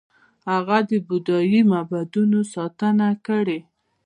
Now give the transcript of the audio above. هغه د بودايي معبدونو ستاینه کړې